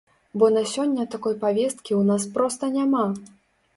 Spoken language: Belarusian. Бо на сёння такой павесткі ў нас проста няма.